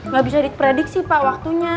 nggak bisa diprediksi pak waktunya